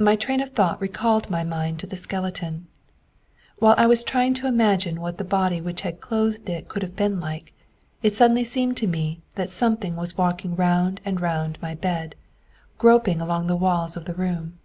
My train of thought recalled to my mind the skeleton. While I was trying to imagine what the body which had clothed it could have been like, it suddenly seemed to me that something was walking round and round my bed, groping along the walls of the room.